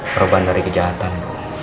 perubahan dari kejahatan bu